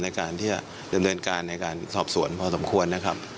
ในการที่จะดำเนินการในการสอบสวนพอสมควรนะครับ